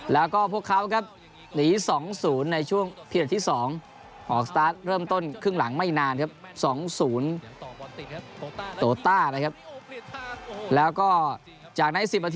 แล้วก็พวกเขาครับหนี๒๐ในช่วงพีเด็ดที่๒ออกสตาร์ทเริ่มต้นครึ่งหลังไม่นานครับ๒๐โตต้านะครับแล้วก็จากนั้น๑๐นาที